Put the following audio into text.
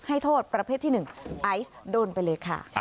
โทษประเภทที่๑ไอซ์โดนไปเลยค่ะ